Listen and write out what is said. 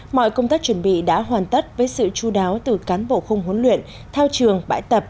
mọi công tác chuẩn bị đã hoàn tất với sự chú đáo từ cán bộ không huấn luyện thao trường bãi tập